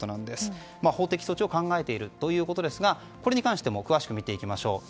法的措置を考えているということですがこれに関しても詳しく見ていきましょう。